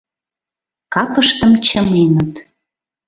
Капыштым чыменыт